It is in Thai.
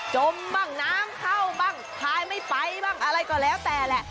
จมบ้างน้ำเข้าบ้างพายไม่ไปบ้างอะไรก็แล้วแต่แหละ